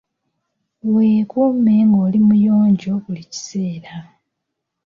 Weekuume ng'oli muyonjo buli kiseera.